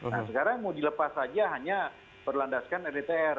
nah sekarang mau dilepas saja hanya berlandaskan rdtr